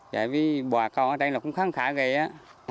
với bò con ở trái nó cũng kháng khả vậy đó